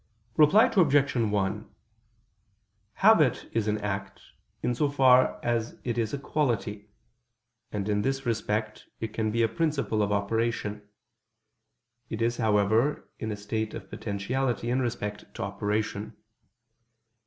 Reply Obj. 1: Habit is an act, in so far as it is a quality: and in this respect it can be a principle of operation. It is, however, in a state of potentiality in respect to operation.